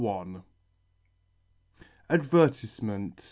$ ADVERTISEMENT.